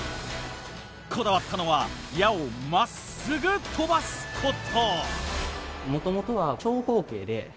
こだわったのは矢をまっすぐ飛ばすこと。